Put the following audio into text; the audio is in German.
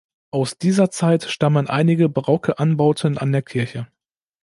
Aus dieser Zeit stammen einige barocke Anbauten an der Kirche.